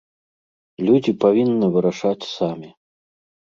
Людзі павінны вырашаць самі.